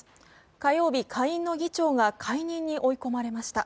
火曜日、下院の議長が解任に追い込まれました。